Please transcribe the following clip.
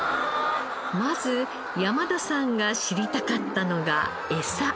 まず山田さんが知りたかったのがエサ。